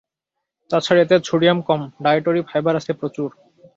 তা ছাড়া এতে সোডিয়াম কম, ডায়েটরি ফাইবার আছে প্রচুর।